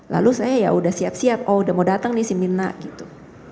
lalu saya ya udah siap siap oh udah mau datang nih si mirna gitu